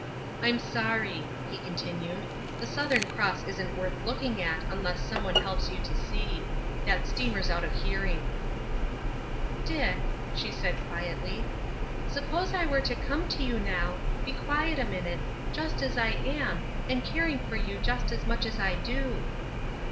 "I'm sorry," he continued. "The Southern Cross isn't worth looking at unless someone helps you to see. That steamer's out of hearing." "Dick," she said quietly, "suppose I were to come to you now,—be quiet a minute,—just as I am, and caring for you just as much as I do."